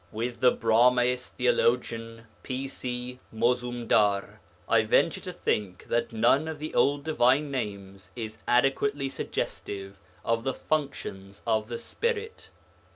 With the Brahmaist theologian, P.C. Mozoomdar, I venture to think that none of the old divine names is adequately suggestive of the functions of the Spirit.